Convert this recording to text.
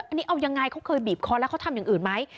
อันนี้เอายังไงเขาเคยบีบคอแล้วเขาทำอย่างอื่นไหม